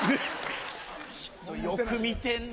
よく見てんな